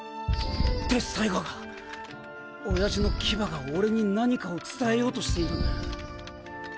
鉄砕牙が親父の牙が俺に何かを伝えようとしている。